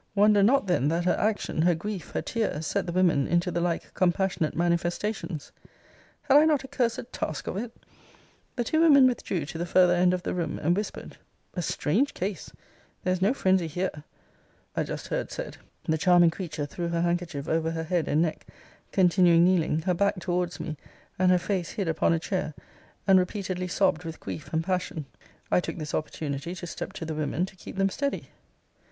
Wonder not then that her action, her grief, her tears, set the women into the like compassionate manifestations. Had I not a cursed task of it? The two women withdrew to the further end of the room, and whispered, a strange case! There is no phrensy here I just heard said. The charming creature threw her handkerchief over her head and neck, continuing kneeling, her back towards me, and her face hid upon a chair, and repeatedly sobbed with grief and passion. I took this opportunity to step to the women to keep them steady.